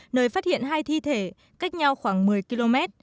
nơi phát hiện hai thi thể cách nhau khoảng một mươi km